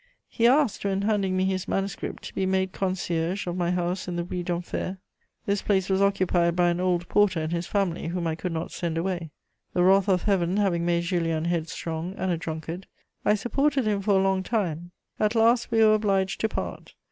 He asked, when handing me his manuscript, to be made concierge of my house in the Rue d'Enfer: this place was occupied by an old porter and his family, whom I could not send away. The wrath of Heaven having made Julien headstrong and a drunkard, I supported him for a long time; at last we were obliged to part.